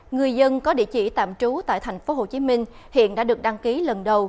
người dân có địa chỉ tạm trú tại tp hcm hiện đã được đăng ký lần đầu